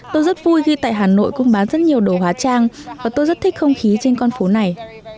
tôi rất vui khi tại hà nội cũng bán rất nhiều đồ hóa trang và tôi rất thích không khí trên con phố này